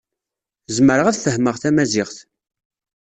Zemreɣ ad fehmeɣ tamaziɣt.